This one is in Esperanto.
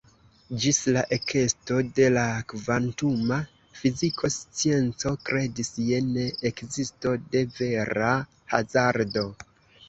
Ĝis la ekesto de la kvantuma fiziko scienco kredis je ne-ekzisto de vera hazardo.